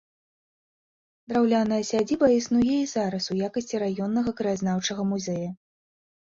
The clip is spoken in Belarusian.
Драўляная сядзіба існуе і зараз у якасці раённага краязнаўчага музея.